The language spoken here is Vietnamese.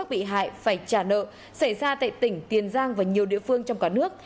trả nợ xảy ra tại tỉnh tiền giang và nhiều địa phương trong cả nước